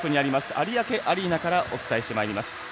有明アリーナからお伝えしてまいります。